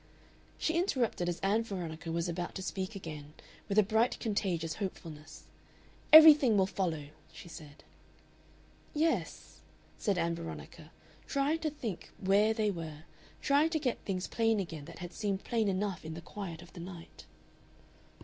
She interrupted as Ann Veronica was about to speak again, with a bright contagious hopefulness. "Everything will follow," she said. "Yes," said Ann Veronica, trying to think where they were, trying to get things plain again that had seemed plain enough in the quiet of the night.